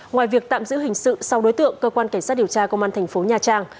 ngoài việc tạm giữ hình sự sau đối tượng cơ quan cảnh sát điều tra công an thành phố nha trang